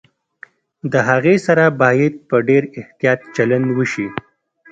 د هغې سره باید په ډېر احتياط چلند وشي